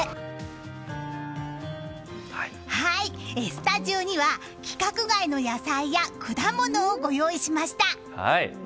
スタジオには規格外の野菜や果物をご用意しました！